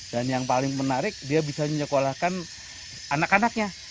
dan yang paling menarik dia bisa menyekolahkan anak anaknya